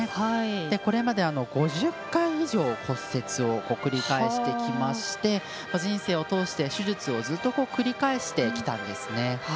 これまで５０回以上骨折を繰り返していまして人生を通して手術をずっと繰り返してきたんです。